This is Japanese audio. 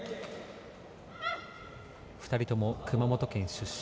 ２人とも熊本県出身。